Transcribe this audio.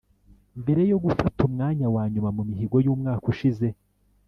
Mbere yo gufata umwanya wa nyuma mu mihigo y’umwaka ushize